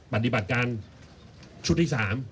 ปฏิบัติการชุดที่๓